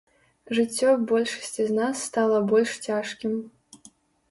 Жыццё большасці з нас стала больш цяжкім.